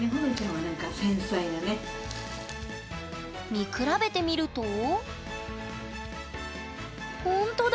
見比べてみるとほんとだ！